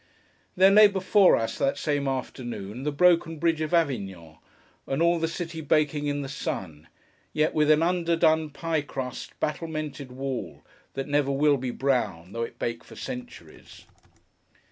There lay before us, that same afternoon, the broken bridge of Avignon, and all the city baking in the sun; yet with an under done pie crust, battlemented wall, that never will be brown, though it bake for centuries.